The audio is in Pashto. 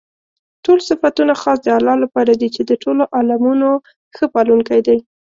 ټول صفتونه خاص د الله لپاره دي چې د ټولو عالَمونو ښه پالونكى دی.